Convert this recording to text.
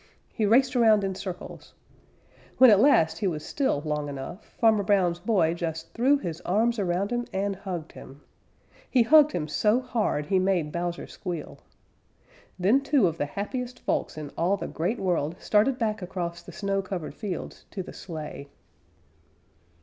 He raced around in circles. When at last he was still long enough, Farmer Brown's boy just threw his arms around him and hugged him. He hugged him so hard he made Bowser squeal. Then two of the happiest folks in all the Great World started back across the snow covered fields to the sleigh.